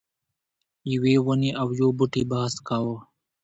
یوې ونې او یو بوټي بحث کاوه.